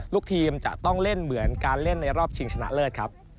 ลูกทีมจะต้องเล่นเหมือนการเล่นในรอบชิงชนะเลิศครับ